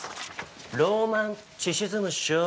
ローマンチシズムっしょ。